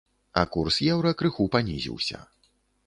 А курс еўра крыху панізіўся.